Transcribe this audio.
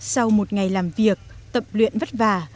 sau một ngày làm việc tập luyện vất vả